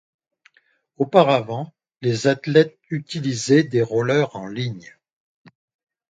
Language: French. Auparavant, les athlètes utilisaient des Roller en ligne.